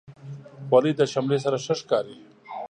خولۍ د شملې سره ښه ښکاري.